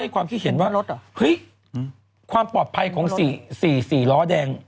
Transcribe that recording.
ความปลอบภัยของสี่ร้อแดง